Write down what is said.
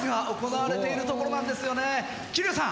桐生さん